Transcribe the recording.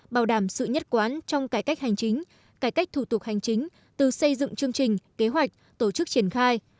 bảo đảm sự nhất quán trong cải cách hành chính cải cách thủ tục hành chính từ xây dựng chương trình kế hoạch tổ chức triển khai